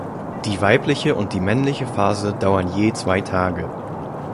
Die weibliche und die männliche Phase dauern je zwei Tage.